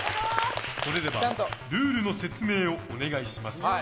それではルールの説明をお願いします。